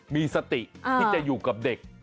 มีสติที่จะอยู่กับเด็ก